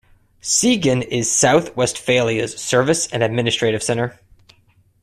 Siegen is South Westphalia's service and administrative centre.